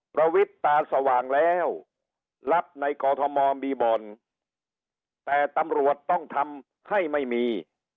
ประวิทย์ตาสว่างแล้วรับในกอทมมีบ่อนแต่ตำรวจต้องทำให้ไม่มี